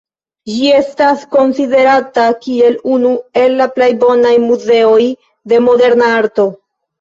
Ĝi estas konsiderata kiel unu el la plej bonaj muzeoj de moderna arto.